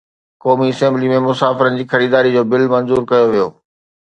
قومي اسيمبلي ۾ مسافرن جي خريداري جو بل منظور ڪيو ويو